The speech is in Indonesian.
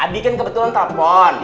ane kan kebetulan telepon